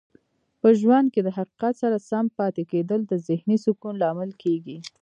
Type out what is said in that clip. په ژوند کې د حقیقت سره سم پاتې کیدل د ذهنې سکون لامل کیږي.